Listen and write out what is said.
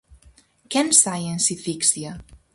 Quen sae en Sicixia?